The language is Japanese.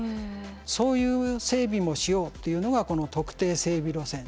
そういう整備もしようっていうのがこの特定整備路線。